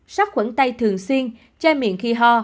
sắp khuẩn tay thường xuyên che miệng khi ho